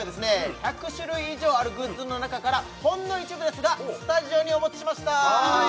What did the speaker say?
１００種類以上あるグッズの中からほんの一部ですがスタジオにお持ちしました